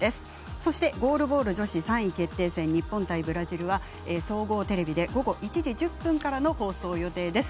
そして、ゴールボール女子日本対ブラジルは総合テレビで午後１時１０分からの放送予定です。